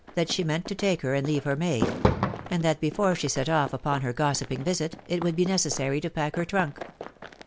that she meant to take her, and leave her maid ; and that before she set off upon her gossiping visit, it would be necessary to pack her trunk.